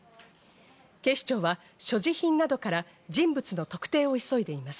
警視庁は所持品などから人物の特定を急いでいます。